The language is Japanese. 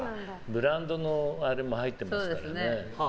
ブランドのあれも入ってますからね。